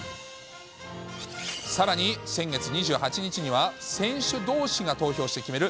さらに、先月２８日には選手どうしが投票して決める